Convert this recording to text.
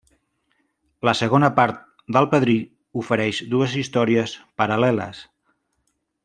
La segona part del Padrí ofereix dues històries paral·leles.